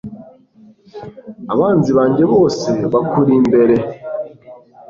abanzi banjye bose bakuri imbere